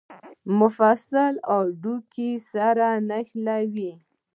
مفصلونه هډوکي سره نښلوي